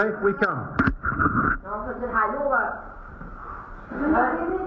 เราจะมา